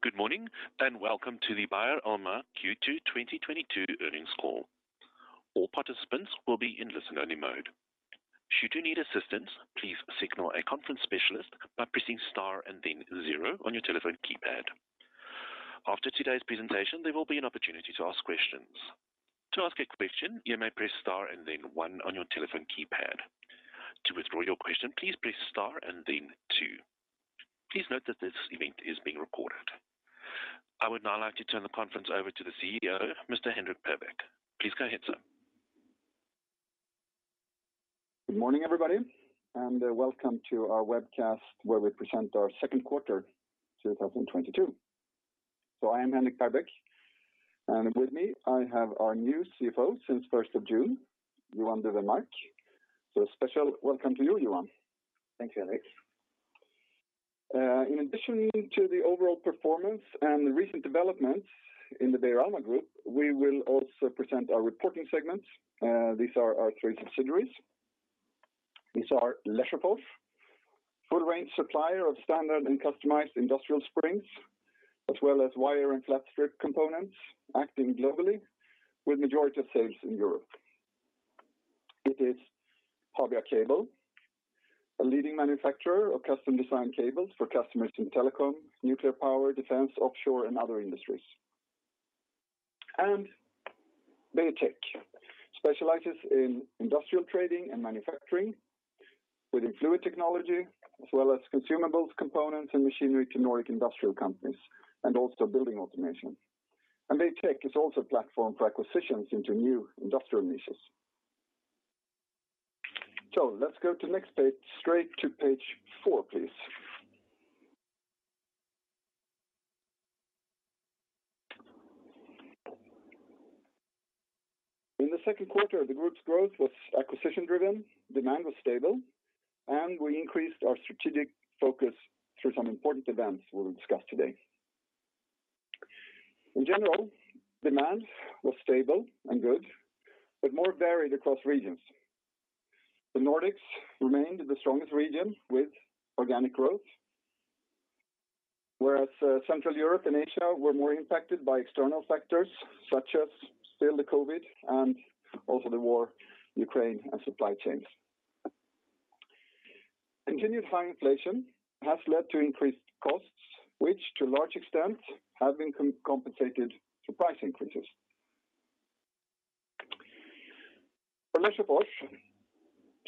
Good morning, and welcome to the Beijer Alma Q2 2022 Earnings Call. All participants will be in listen-only mode. Should you need assistance, please signal a conference specialist by pressing Star and then zero on your telephone keypad. After today's presentation, there will be an opportunity to ask questions. To ask a question, you may press Star and then one on your telephone keypad. To withdraw your question, please press Star and then two. Please note that this event is being recorded. I would now like to turn the conference over to the CEO, Mr. Henrik Perbeck. Please go ahead, sir. Good morning, everybody, and welcome to our webcast where we present our second quarter 2022. I am Henrik Perbeck, and with me, I have our new CFO since first of June, Johan Dufvenmark. A special welcome to you, Johan. Thank you, Henrik. In addition to the overall performance and recent developments in the Beijer Alma group, we will also present our reporting segments. These are our three subsidiaries. These are Lesjöfors, full range supplier of standard and customized industrial springs, as well as wire and flat strip components acting globally with majority of sales in Europe. It is Habia Cable, a leading manufacturer of custom design cables for customers in telecom, nuclear power, defense, offshore, and other industries. Beijer Tech specializes in industrial trading and manufacturing within fluid technology, as well as consumables, components, and machinery to Nordic industrial companies, and also building automation. Beijer Tech is also a platform for acquisitions into new industrial niches. Let's go to next page. Straight to page four, please. In the second quarter, the group's growth was acquisition-driven, demand was stable, and we increased our strategic focus through some important events we'll discuss today. In general, demand was stable and good, but more varied across regions. The Nordics remained the strongest region with organic growth, whereas Central Europe and Asia were more impacted by external factors such as still the COVID and also the war in Ukraine and supply chains. Continued high inflation has led to increased costs, which to a large extent have been compensated by price increases. For Lesjöfors,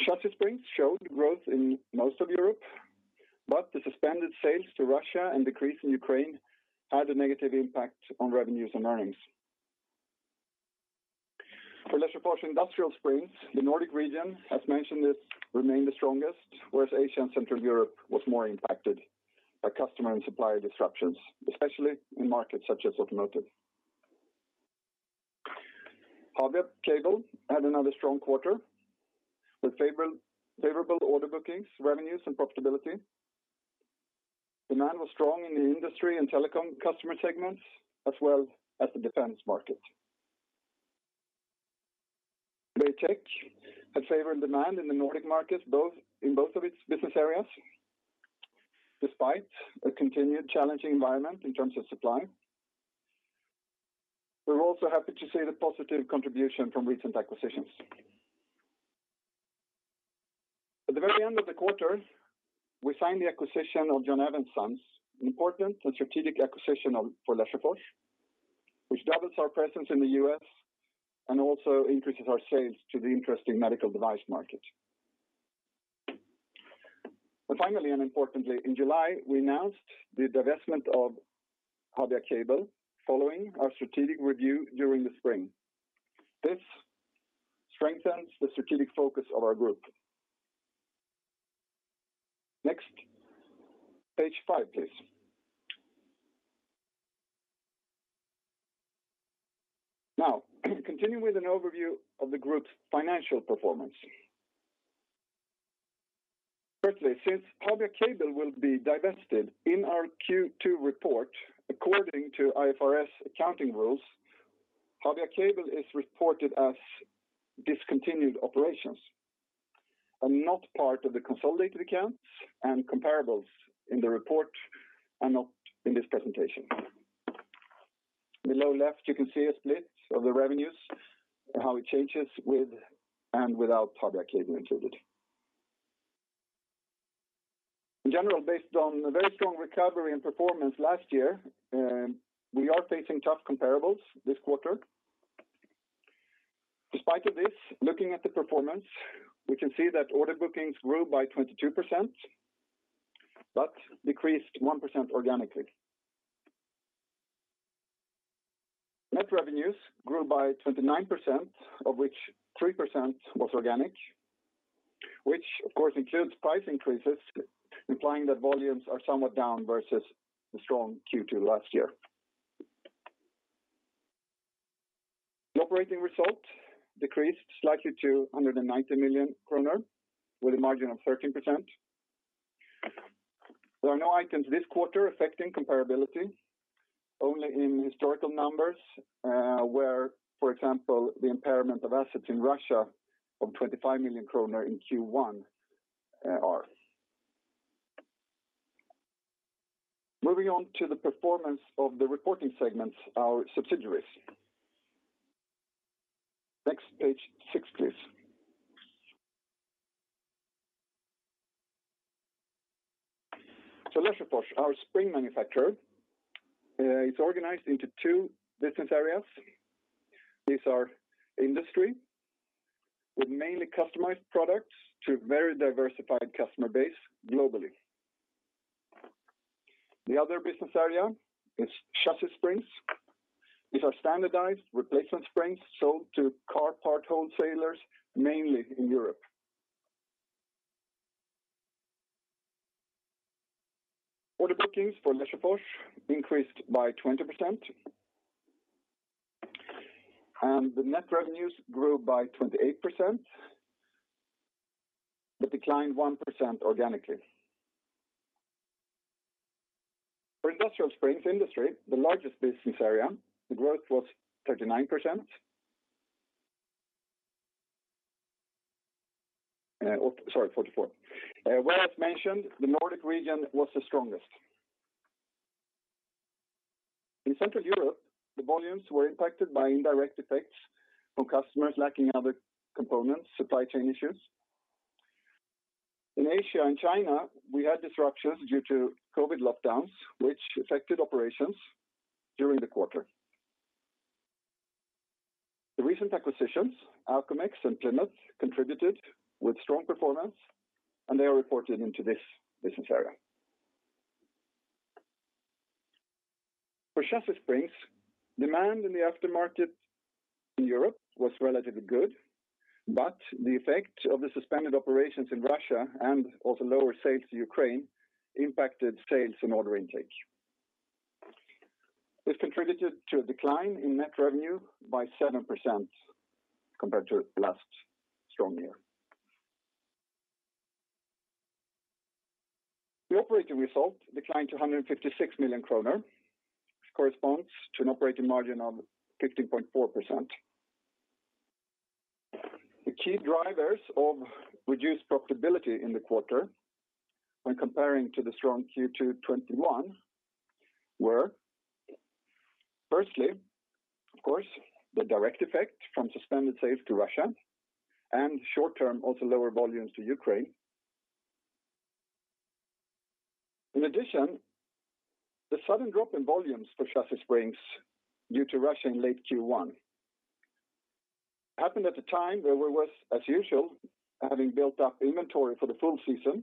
chassis springs showed growth in most of Europe, but the suspended sales to Russia and decrease in Ukraine had a negative impact on revenues and earnings. For Lesjöfors industrial springs, the Nordic region, as mentioned, this remained the strongest, whereas Asia and Central Europe was more impacted by customer and supplier disruptions, especially in markets such as automotive. Habia Cable had another strong quarter with favorable order bookings, revenues, and profitability. Demand was strong in the industry and telecom customer segments, as well as the defense market. Beijer Tech had favorable demand in the Nordic markets in both of its business areas, despite a continued challenging environment in terms of supply. We're also happy to see the positive contribution from recent acquisitions. At the very end of the quarter, we signed the acquisition of John Evans' Sons, an important and strategic acquisition for Lesjöfors, which doubles our presence in the US and also increases our sales to the interesting medical device market. Finally, and importantly, in July, we announced the divestment of Habia Cable following our strategic review during the spring. This strengthens the strategic focus of our group. Next, page five, please. Now, continue with an overview of the group's financial performance. Firstly, since Habia Cable will be divested in our Q2 report, according to IFRS accounting rules, Habia Cable is reported as discontinued operations and not part of the consolidated accounts and comparables in the report and not in this presentation. Below left, you can see a split of the revenues and how it changes with and without Habia Cable included. In general, based on a very strong recovery and performance last year, we are facing tough comparables this quarter. Despite this, looking at the performance, we can see that order bookings grew by 22%, but decreased 1% organically. Net revenues grew by 29%, of which 3% was organic, which of course includes price increases, implying that volumes are somewhat down versus the strong Q2 last year. The operating result decreased slightly to 190 million kronor with a margin of 13%. There are no items this quarter affecting comparability, only in historical numbers, where, for example, the impairment of assets in Russia of 25 million kronor in Q1. Moving on to the performance of the reporting segments, our subsidiaries. Next, page 6, please. Lesjöfors, our spring manufacturer, is organized into two business areas. These are industrial springs with mainly customized products to a very diversified customer base globally. The other business area is chassis springs. These are standardized replacement springs sold to car part wholesalers, mainly in Europe. Order bookings for Lesjöfors increased by 20%, and the net revenues grew by 28%, but declined 1% organically. For industrial springs, the largest business area, the growth was 39%. Or sorry, 44%, where, as mentioned, the Nordic region was the strongest. In Central Europe, the volumes were impacted by indirect effects from customers lacking other components, supply chain issues. In Asia and China, we had disruptions due to COVID lockdowns, which affected operations during the quarter. The recent acquisitions, Alcomex and Plymouth Spring, contributed with strong performance, and they are reported into this business area. For Chassis Springs, demand in the aftermarket in Europe was relatively good, but the effect of the suspended operations in Russia and also lower sales to Ukraine impacted sales and order intake. This contributed to a decline in net revenue by 7% compared to last strong year. The operating result declined to 156 million kronor, which corresponds to an operating margin of 15.4%. The key drivers of reduced profitability in the quarter when comparing to the strong Q2 2021 were firstly, of course, the direct effect from suspended sales to Russia and short-term also lower volumes to Ukraine. In addition, the sudden drop in volumes for Chassis Springs due to Russia in late Q1 happened at a time where we were, as usual, having built up inventory for the full season.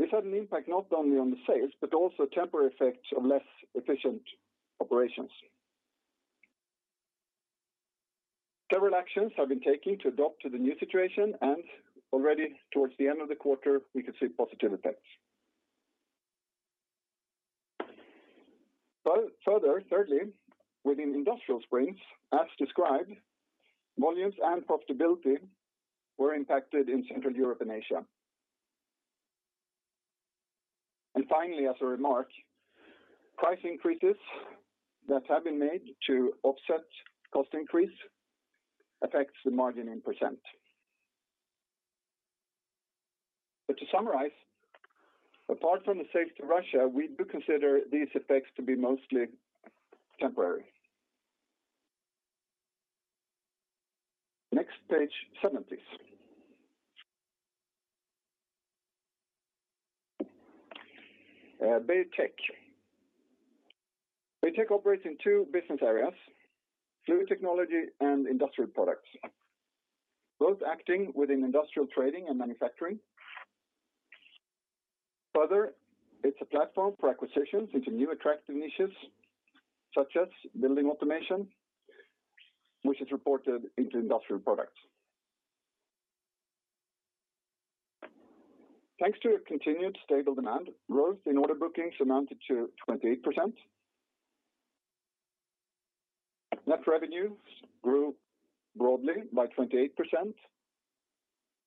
This had an impact not only on the sales, but also temporary effects of less efficient operations. Several actions have been taken to adapt to the new situation, and already towards the end of the quarter, we could see positive effects. Further, thirdly, within Industrial Springs, as described, volumes and profitability were impacted in Central Europe and Asia. Finally, as a remark, price increases that have been made to offset cost increase affects the margin in percent. To summarize, apart from the sales to Russia, we do consider these effects to be mostly temporary. Next page seven, please. Beijer Tech. Beijer Tech operates in two business areas, fluid technology and industrial products, both acting within industrial trading and manufacturing. Further, it's a platform for acquisitions into new attractive niches, such as building automation, which is reported into industrial products. Thanks to a continued stable demand, growth in order bookings amounted to 28%. Net revenues grew broadly by 28%,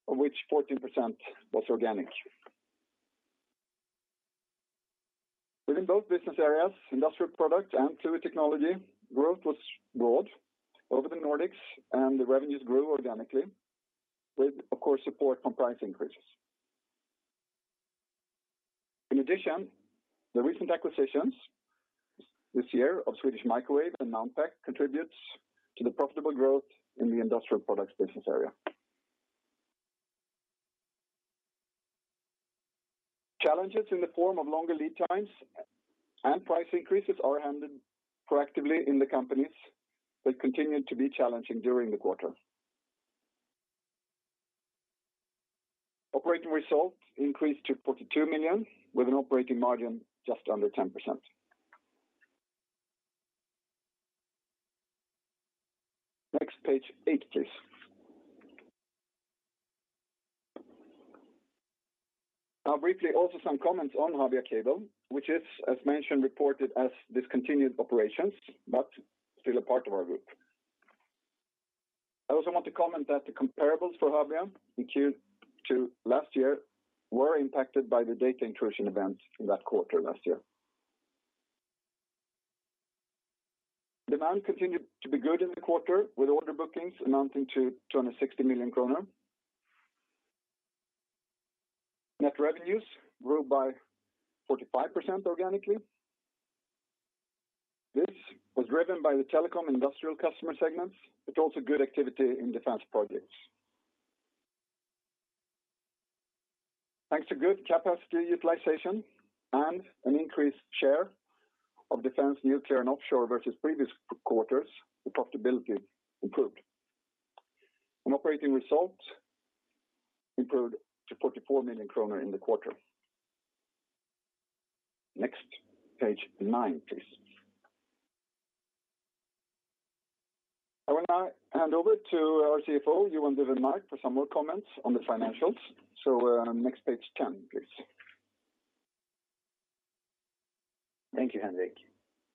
of which 14% was organic. Within both business areas, industrial products and fluid technology, growth was broad over the Nordics, and the revenues grew organically with, of course, support from price increases. In addition, the recent acquisitions this year of Swedish Microwave and Mountpac contributes to the profitable growth in the industrial products business area. Challenges in the form of longer lead times and price increases are handled proactively in the companies but continued to be challenging during the quarter. Operating results increased to 42 million with an operating margin just under 10%. Next page eight, please. Now briefly also some comments on Habia Cable, which is, as mentioned, reported as discontinued operations, but still a part of our group. I also want to comment that the comparables for Habia in Q2 last year were impacted by the data intrusion event in that quarter last year. Demand continued to be good in the quarter with order bookings amounting to 260 million kronor. Net revenues grew by 45% organically. This was driven by the telecom and industrial customer segments, but also good activity in defense projects. Thanks to good capacity utilization and an increased share of defense, nuclear, and offshore versus previous quarters, the profitability improved. An operating result improved to 44 million kronor in the quarter. Next, page 9, please. I will now hand over to our CFO, Johan Dufvenmark, for some more comments on the financials. Next, page 10, please. Thank you, Henrik.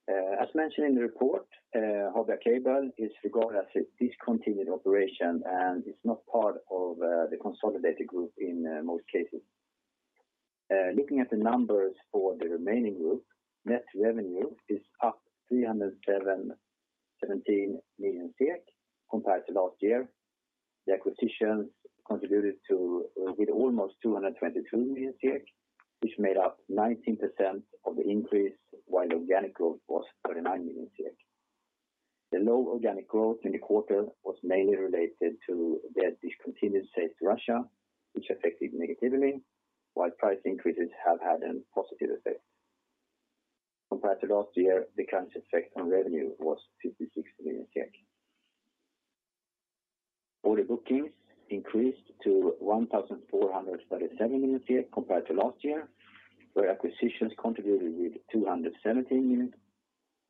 As mentioned in the report, Habia Cable is regarded as a discontinued operation, and it's not part of the consolidated group in most cases. Looking at the numbers for the remaining group, net revenue is up 377 million compared to last year. The acquisitions contributed to with almost 222 million, which made up 19% of the increase, while the organic growth was 39 million. The low organic growth in the quarter was mainly related to the discontinued sales to Russia, which affected negatively, while price increases have had a positive effect. Compared to last year, the currency effect on revenue was 56 million. Order bookings increased to 1,437 million compared to last year, where acquisitions contributed with 217 million,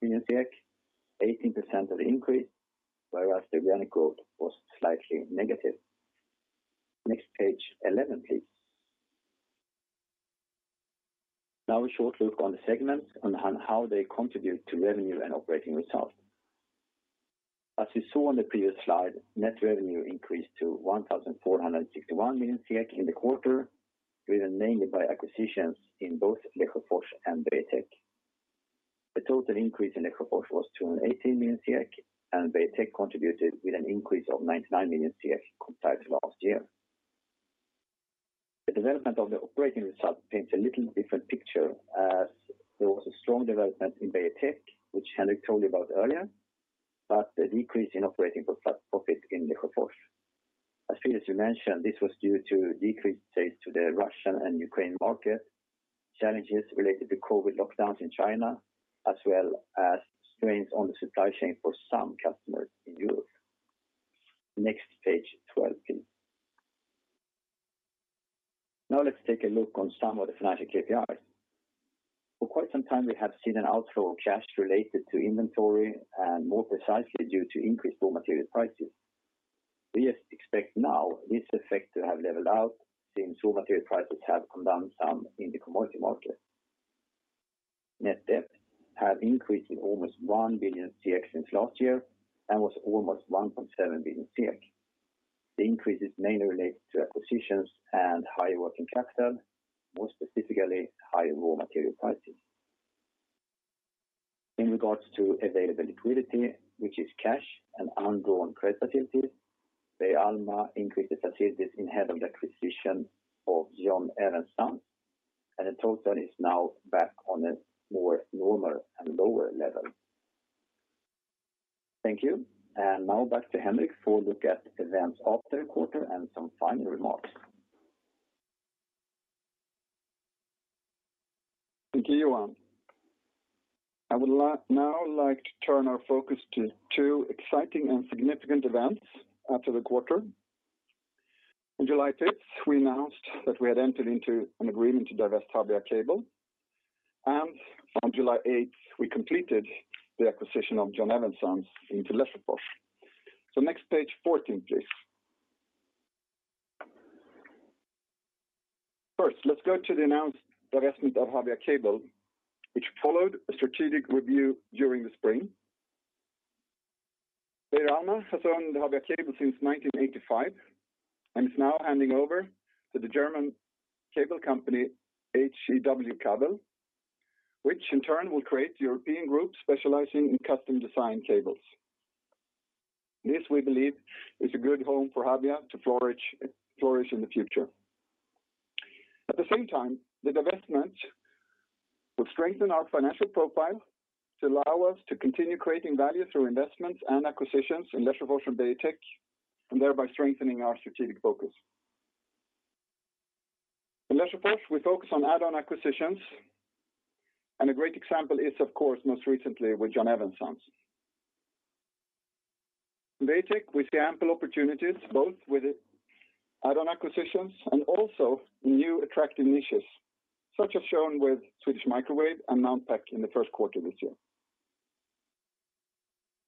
18% of the increase, whereas the organic growth was slightly negative. Next page eleven, please. Now a short look on the segments and on how they contribute to revenue and operating results. As you saw on the previous slide, net revenue increased to 1,461 million in the quarter, driven mainly by acquisitions in both Lesjöfors and Beijer Tech. The total increase in Lesjöfors was 218 million, and Beijer Tech contributed with an increase of 99 million compared to last year. The development of the operating result paints a little different picture as there was a strong development in Beijer Tech, which Henrik told you about earlier, but a decrease in operating profit in Lesjöfors. As Henrik Perbeck mentioned, this was due to decreased sales to the Russian and Ukrainian market, challenges related to COVID lockdowns in China, as well as strains on the supply chain for some customers in Europe. Next page 12, please. Now let's take a look on some of the financial KPIs. For quite some time, we have seen an outflow of cash related to inventory and more precisely due to increased raw material prices. We expect now this effect to have leveled out since raw material prices have come down some in the commodity market. Net debt have increased in almost 1 billion since last year and was almost 1.7 billion. The increase is mainly related to acquisitions and higher working capital, more specifically higher raw material prices. In regards to available liquidity, which is cash and undrawn credit facilities, Beijer Alma increased its activities in handling the acquisition of John Evans' Sons, and the total is now back on a more normal and lower level. Thank you. Now back to Henrik for a look at events after the quarter and some final remarks. Thank you, Johan. I would now like to turn our focus to two exciting and significant events after the quarter. On July fifth, we announced that we had entered into an agreement to divest Habia Cable. On July eighth, we completed the acquisition of John Evans' Sons into Lesjöfors. Next page 14, please. First, let's go to the announced divestment of Habia Cable, which followed a strategic review during the spring. Beijer Alma has owned Habia Cable since 1985 and is now handing over to the German cable company, HEW-KABEL, which in turn will create a European group specializing in custom design cables. This, we believe, is a good home for Habia to flourish in the future. At the same time, the divestment will strengthen our financial profile to allow us to continue creating value through investments and acquisitions in Lesjöfors and Beijer Tech, and thereby strengthening our strategic focus. In Lesjöfors, we focus on add-on acquisitions, and a great example is of course, most recently with John Evans' Sons. In Beijer Tech, we see ample opportunities both with add-on acquisitions and also new attractive niches, such as shown with Swedish Microwave and Mountpac in the first quarter this year.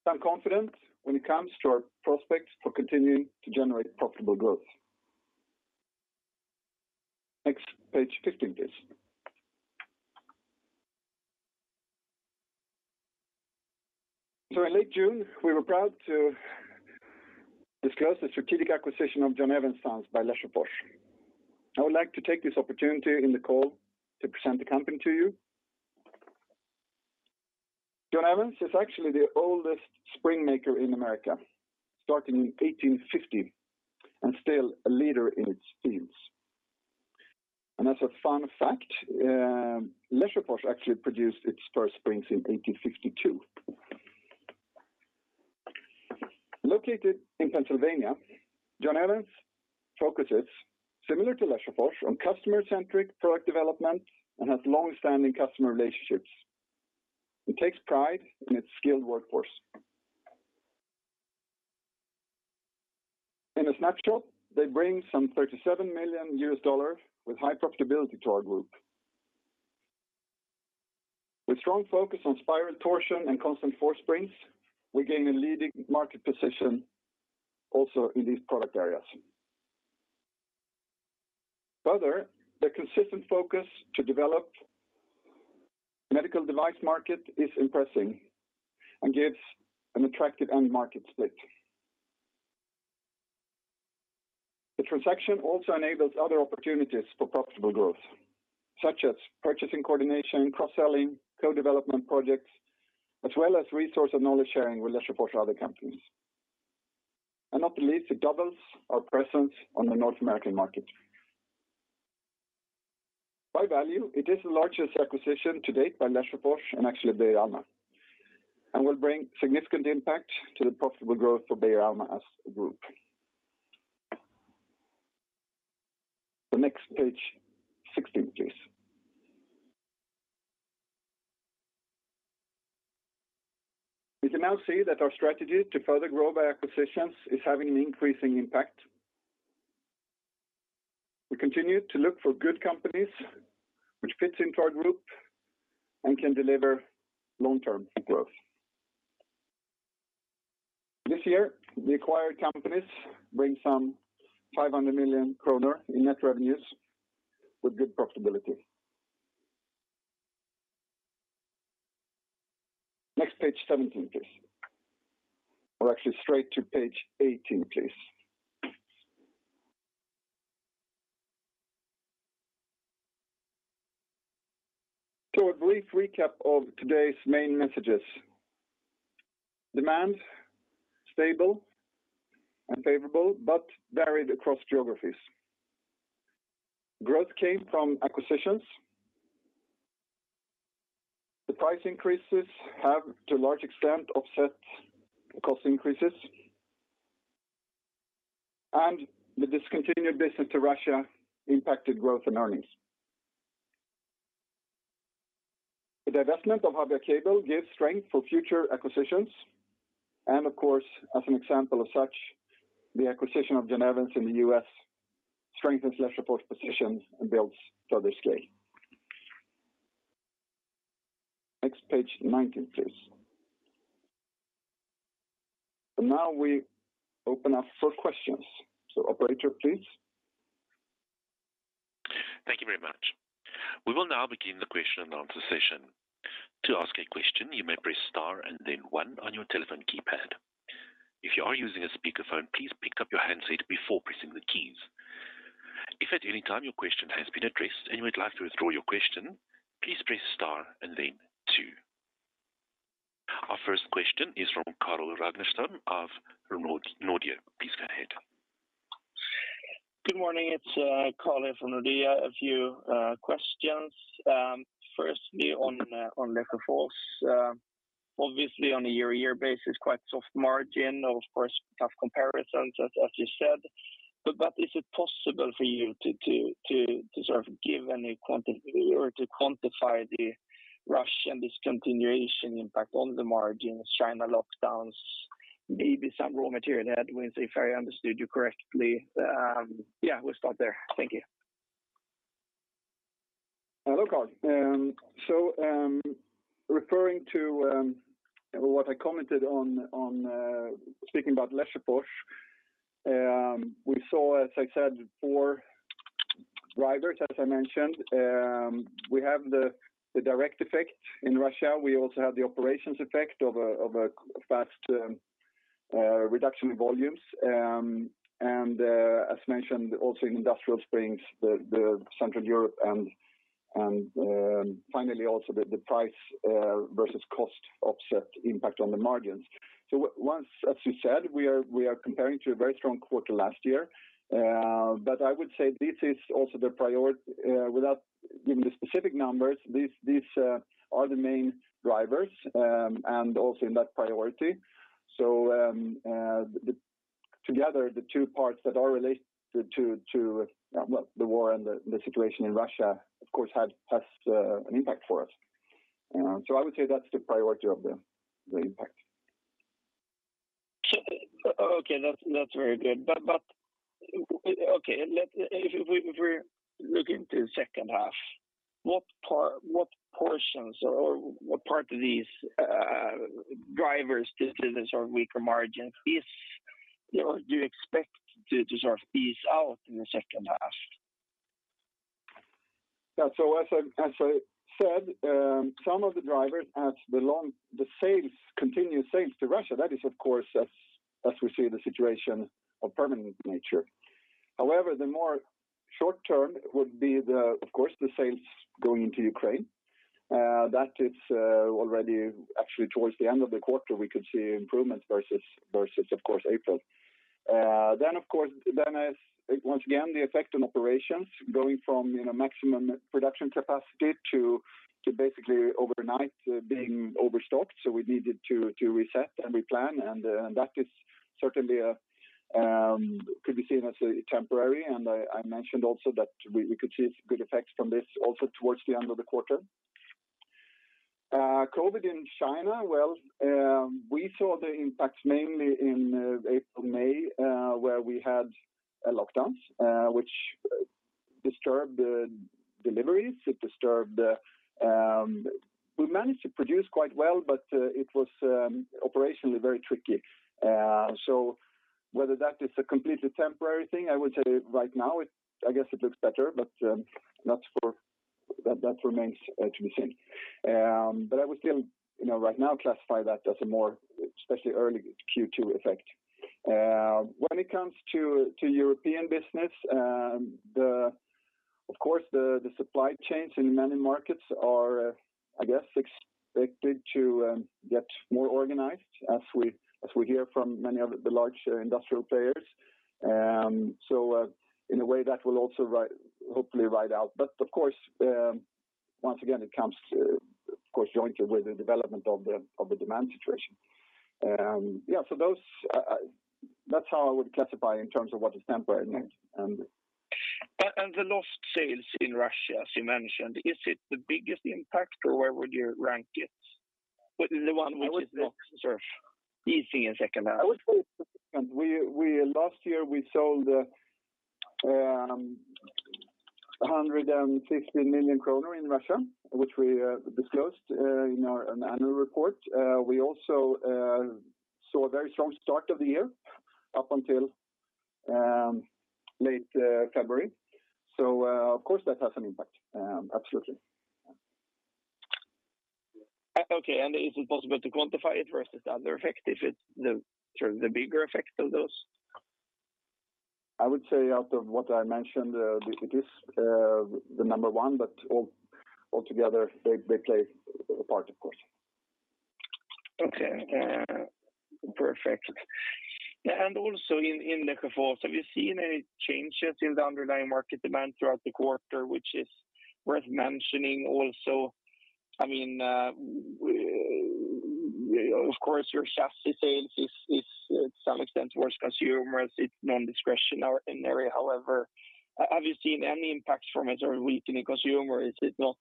I'm confident when it comes to our prospects for continuing to generate profitable growth. Next, page 15, please. In late June, we were proud to disclose the strategic acquisition of John Evans' Sons by Lesjöfors. I would like to take this opportunity in the call to present the company to you. John Evans' Sons is actually the oldest spring maker in America, starting in 1850 and still a leader in its fields. As a fun fact, Lesjöfors actually produced its first springs in 1852. Located in Pennsylvania, John Evans' Sons focuses, similar to Lesjöfors, on customer-centric product development and has long-standing customer relationships. It takes pride in its skilled workforce. In a snapshot, they bring $37 million with high profitability to our group. With strong focus on spiral torsion and constant force springs, we gain a leading market position also in these product areas. Further, the consistent focus to develop medical device market is impressive and gives an attractive end market split. The transaction also enables other opportunities for profitable growth, such as purchasing coordination, cross-selling, co-development projects, as well as resource and knowledge sharing with Lesjöfors other companies. Not the least, it doubles our presence on the North American market. By value, it is the largest acquisition to date by Lesjöfors and actually Beijer Alma, and will bring significant impact to the profitable growth for Beijer Alma as a group. The next page, 16th, please. We can now see that our strategy to further grow by acquisitions is having an increasing impact. We continue to look for good companies which fits into our group and can deliver long-term growth. This year, the acquired companies bring some 500 million kronor in net revenues with good profitability. Next, page 17, please. Actually straight to page 18, please. A brief recap of today's main messages. Demand, stable and favorable, but varied across geographies. Growth came from acquisitions. The price increases have, to a large extent, offset cost increases. The discontinued business to Russia impacted growth and earnings. The divestment of Habia Cable gives strength for future acquisitions. Of course, as an example of such, the acquisition of John Evans' Sons in the U.S. strengthens Lesjöfors position and builds further scale. Next, page 19, please. Now we open up for questions. Operator, please. Thank you very much. We will now begin the question and answer session. To ask a question, you may press star and then one on your telephone keypad. If you are using a speaker phone, please pick up your handset before pressing the keys. If at any time your question has been addressed and you would like to withdraw your question, please press star and then two. Our first question is from Carl Ragnerstam of Nordea. Please go ahead. Good morning. It's Carl here from Nordea. A few questions. Firstly, on Lesjöfors. Obviously, on a year-to-year basis, quite soft margin. Of course, tough comparisons as you said. Is it possible for you to sort of give any or to quantify the Russian discontinuation impact on the margins, China lockdowns, maybe some raw material headwinds, if I understood you correctly. Yeah, we'll start there. Thank you. Hello, Carl. Referring to what I commented on, speaking about Lesjöfors, we saw, as I said, four drivers, as I mentioned. We have the direct effect in Russia. We also have the operations effect of a fast reduction in volumes. As mentioned also in industrial springs, the Central Europe and, finally also the price versus cost offset impact on the margins. Once, as you said, we are comparing to a very strong quarter last year. I would say this is also, without giving the specific numbers, these are the main drivers, and also in that priority. Together, the two parts that are related to well, the war and the situation in Russia, of course, has an impact for us. I would say that's the priority of the impact. Okay, that's very good. Okay, if we look into second half, what portions or what part of these drivers to the sort of weaker margin is, or do you expect to sort of ease out in the second half? Yeah, so as I said, some of the drivers, the sales, continued sales to Russia, that is of course as we see the situation of permanent nature. However, the more short-term would be of course the sales going into Ukraine. That is already actually towards the end of the quarter we could see improvements versus of course April. Then of course as once again the effect on operations going from maximum production capacity to basically overnight being overstocked, so we needed to reset and replan and that is certainly could be seen as a temporary. I mentioned also that we could see good effects from this also towards the end of the quarter. COVID in China, well, we saw the impact mainly in April, May, where we had lockdowns, which disturbed the deliveries. We managed to produce quite well, but it was operationally very tricky. Whether that is a completely temporary thing, I would say right now I guess it looks better. That remains to be seen. I would still right now classify that as a more especially early Q2 effect. When it comes to European business, of course, the supply chains in many markets are, I guess, expected to get more organized as we hear from many of the large industrial players. In a way, that will also hopefully ride out. Of course, once again, it comes of course jointly with the development of the demand situation. Yeah, so those, that's how I would classify in terms of what is temporary and. The lost sales in Russia, as you mentioned, is it the biggest impact, or where would you rank it? Well, I would. The one which is the- Sure Easing in second half. I would say last year we sold 150 million kronor in Russia, which we disclosed in our annual report. We also saw a very strong start of the year up until late February. Of course that has an impact, absolutely. Okay. Is it possible to quantify it versus the other effect if it's the sort of the bigger effect of those? I would say out of what I mentioned, it is the number one, but altogether they play a part of course. Okay. Perfect. Also in the Lesjöfors, have you seen any changes in the underlying market demand throughout the quarter which is worth mentioning also? I mean, of course your chassis sales is to some extent towards consumers. It's non-discretionary in area. However, have you seen any impacts from a sort of weakening consumer or is it not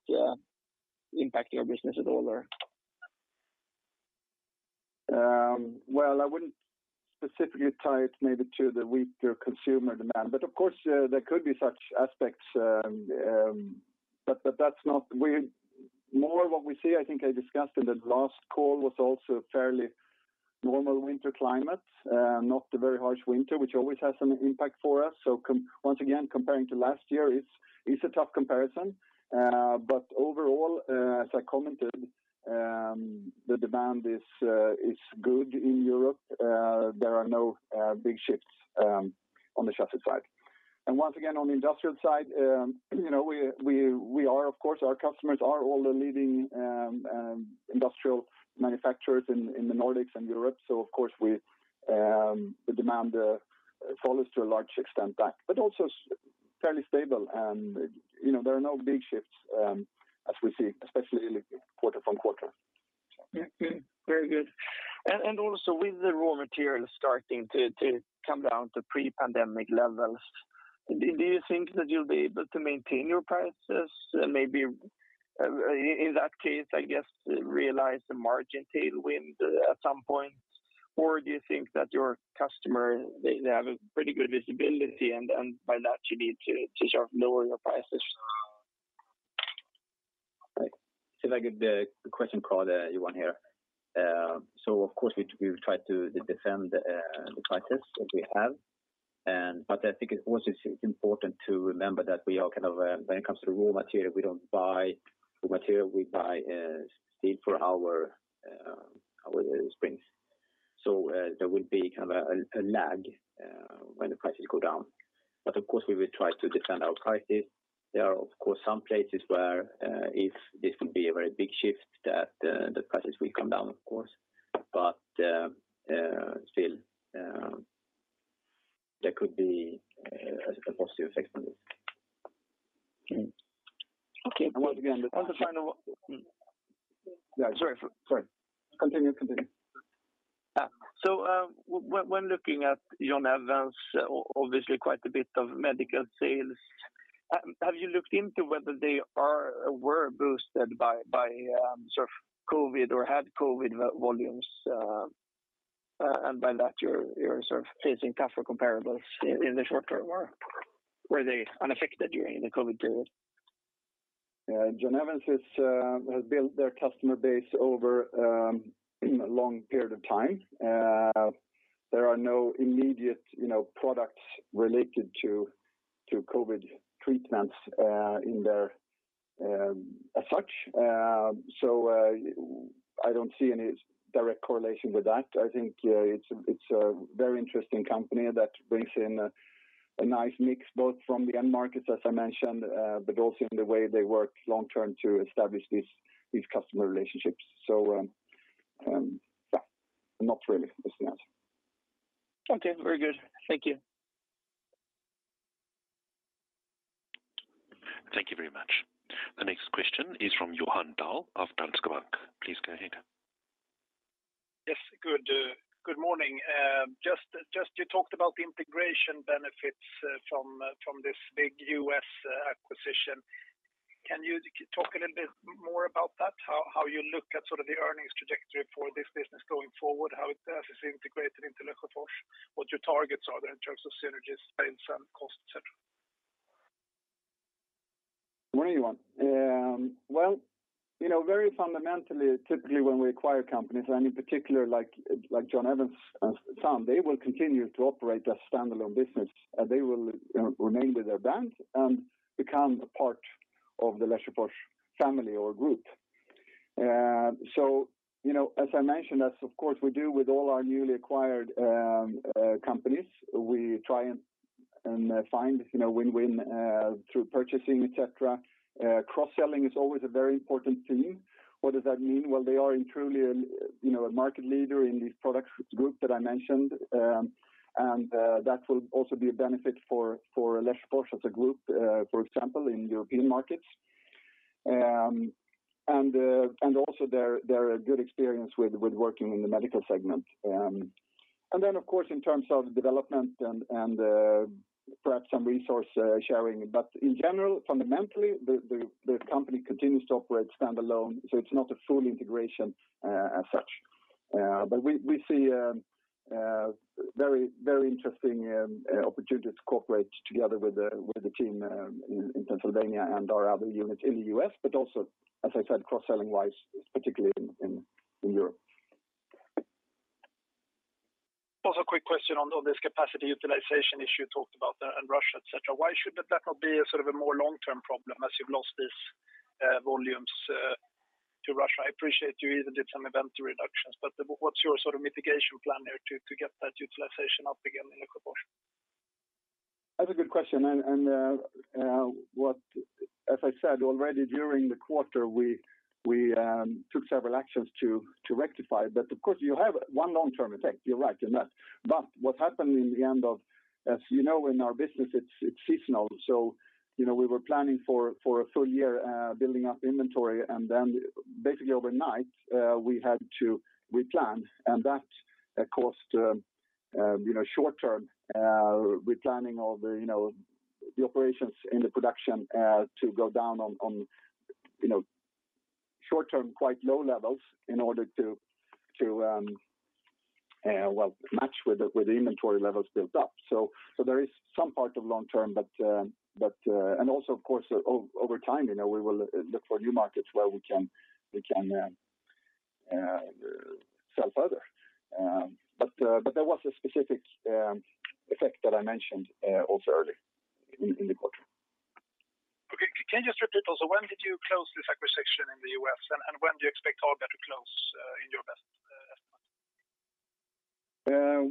impacting your business at all or? Well, I wouldn't specifically tie it maybe to the weaker consumer demand. But of course, there could be such aspects, but that's not what we see. More, what we see, I think I discussed in the last call, was also fairly normal winter climate, not a very harsh winter, which always has an impact for us. Once again, comparing to last year, it's a tough comparison. Overall, as I commented, the demand is good in Europe. There are no big shifts on the chassis side. Once again, on the industrial side of course our customers are all the leading industrial manufacturers in the Nordics and Europe. Of course, the demand follows to a large extent that, but also fairly stable. You know, there are no big shifts, as we see, especially quarter from quarter. Okay. Very good. Also with the raw materials starting to come down to pre-pandemic levels, do you think that you'll be able to maintain your prices? Maybe in that case, I guess, realize the margin tailwind at some point? Or do you think that your customer, they have a pretty good visibility and by that you need to sort of lower your prices? If I could, the question, Carl, that you want here. Of course we've tried to defend the prices that we have. I think it's also important to remember that we are kind of when it comes to raw material, we don't buy raw material. We buy steel for our springs. There will be a lag when the prices go down. Of course, we will try to defend our prices. There are of course some places where if this could be a very big shift, the prices will come down, of course. Still, there could be a positive effect on this. Okay. And once again- One final- Yeah, sorry. Continue. When looking at John Evans' Sons, obviously quite a bit of medical sales, have you looked into whether they are or were boosted by sort of COVID or had COVID volumes, and by that you're sort of facing tougher comparables in the short term? Or were they unaffected during the COVID period? John Evans' Sons has built their customer base over a long period of time. There are no immediate products related to COVID treatments in there, as such. I don't see any direct correlation with that. I think it's a very interesting company that brings in a nice mix both from the end markets, as I mentioned, but also in the way they work long-term to establish these customer relationships. Yeah, not really as such. Okay. Very good. Thank you. Thank you very much. The next question is from Johan Dahl of Danske Bank. Please go ahead. Yes, good. Good morning. Just you talked about the integration benefits from this big U.S. acquisition. Can you talk a little bit more about that? How you look at sort of the earnings trajectory for this business going forward? How it has integrated into Lesjöfors? What your targets are there in terms of synergies, sales, and cost, et cetera? Morning, Johan. well very fundamentally, typically when we acquire companies, and in particular like John Evans' Sons, they will continue to operate as standalone business. They will remain with their brand and become a part of the Lesjöfors family or group. You know, as I mentioned, as, of course we do with all our newly acquired companies, we try and find win-win through purchasing, et cetera. Cross-selling is always a very important theme. What does that mean? Well, they are truly a a market leader in this product group that I mentioned. And also their good experience with working in the medical segment. Of course, in terms of development and perhaps some resource sharing. In general, fundamentally, the company continues to operate standalone, so it's not a full integration, as such. We see very interesting opportunities to cooperate together with the team in Pennsylvania and our other units in the US. Also, as I said, cross-selling wise, particularly in Europe. Also a quick question on this capacity utilization issue you talked about there in Russia, et cetera. Why should that not be a sort of a more long-term problem as you've lost these volumes to Russia? I appreciate you even did some inventory reductions, but what's your sort of mitigation plan there to get that utilization up again in Lesjöfors? That's a good question. As I said already during the quarter, we took several actions to rectify. Of course, you have one long-term effect. You're right in that. As you know, in our business, it's seasonal. You know, we were planning for a full year, building up inventory, and then basically overnight, we had to replan. That cost short term replanning of the the operations in the production to go down on short term, quite low levels in order to match with the inventory levels built up. There is some part of long term, but. Also of course, over time we will look for new markets where we can sell further. But there was a specific effect that I mentioned also early in the quarter. Okay. Can you just repeat also, when did you close this acquisition in the U.S. and when do you expect Habia to close, in your best estimate?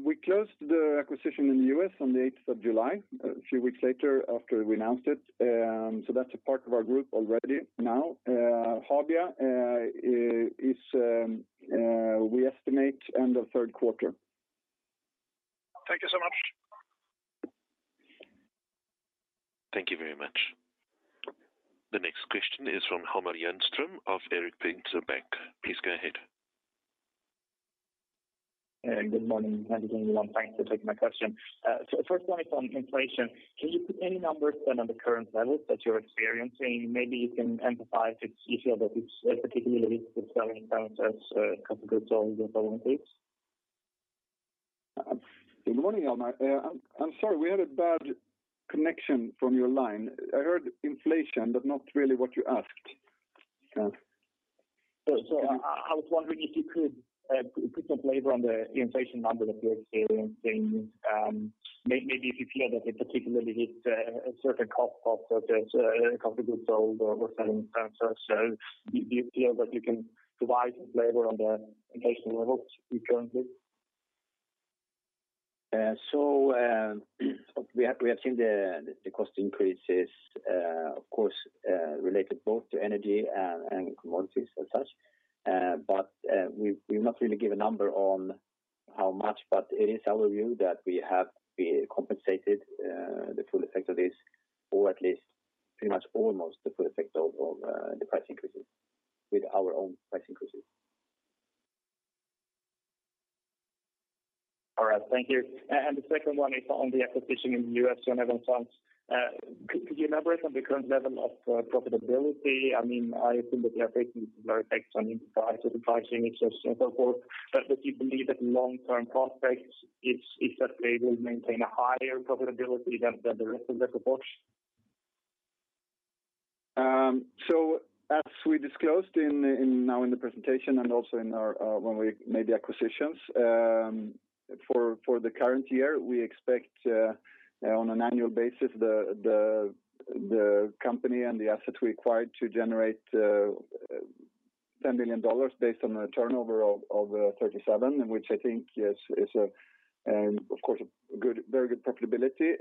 We closed the acquisition in the U.S. on the eighth of July, a few weeks later after we announced it. That's a part of our group already now. Habia is, we estimate end of third quarter. Thank you so much. Thank you very much. The next question is from Hjalmar Jernström of Erik Penser Bank. Please go ahead. Good morning. Thank you. Thanks for taking my question. First one is on inflation. Can you put any numbers then on the current levels that you're experiencing? Maybe you can emphasize if you feel that it's particularly settling down as a comfortable zone or problem case. Good morning, Hjalmar. I'm sorry, we had a bad connection from your line. I heard inflation, but not really what you asked. Yeah. I was wondering if you could elaborate on the inflation number that you're experiencing? Maybe if you feel that it particularly hits a certain cost of this comfort zone or selling prices. Do you feel that you can elaborate on the inflation levels you currently? We have seen the cost increases, of course, related both to energy and commodities as such. We've not really given a number on how much, but it is our view that we have been compensated the full effect of this or at least pretty much almost the full effect of the price increases with our own price increases. All right. Thank you. The second one is on the acquisition in the US, John Evans' Sons. Could you elaborate on the current level of profitability? I mean, I assume that you are taking some effects on prices, pricing, et cetera, so forth. Do you believe that long-term prospects, that they will maintain a higher profitability than the rest of Lesjöfors? As we disclosed in the presentation and also when we made the acquisitions, for the current year, we expect on an annual basis the company and the assets we acquired to generate $10 billion based on a turnover of $37 million, which I think is of course a very good profitability.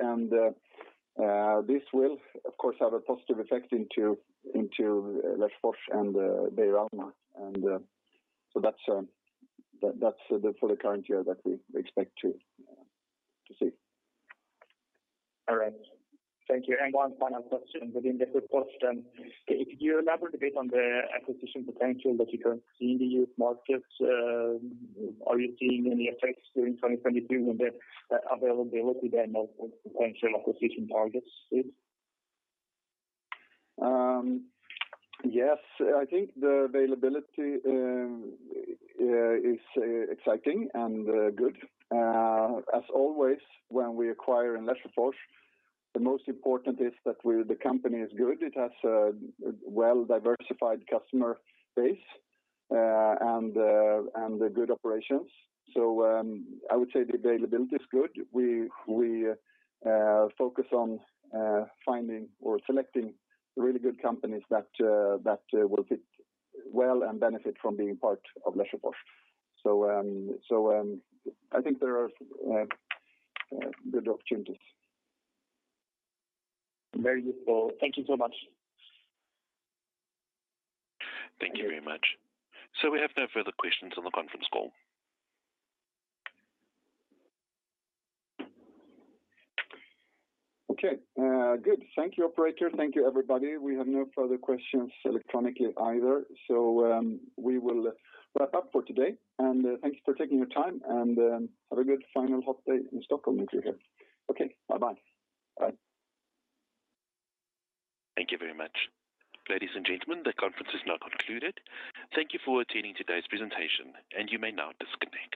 This will of course have a positive effect on Lesjöfors and Beijer Alma. That's it for the current year that we expect to see. All right. Thank you. One final question within the report then. Could you elaborate a bit on the acquisition potential that you can see in the U.S. market? Are you seeing any effects during 2022 on the availability then of potential acquisition targets is? Yes. I think the availability is exciting and good. As always, when we acquire in Lesjöfors, the most important is that the company is good. It has a well-diversified customer base, and good operations. I would say the availability is good. We focus on finding or selecting really good companies that will fit well and benefit from being part of Lesjöfors. I think there are good opportunities. Very useful. Thank you so much. Thank you very much. We have no further questions on the conference call. Okay. Good. Thank you, operator. Thank you, everybody. We have no further questions electronically either. We will wrap up for today. Thank you for taking your time and have a good final hot day in Stockholm if you're here. Okay. Bye-bye. Bye. Thank you very much. Ladies and gentlemen, the conference is now concluded. Thank you for attending today's presentation, and you may now disconnect.